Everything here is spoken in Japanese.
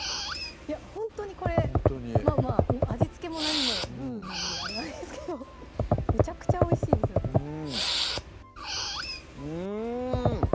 ほんとにこれまぁまぁ味付けも何もルウなんであれなんですけどめちゃくちゃおいしいですよねうん！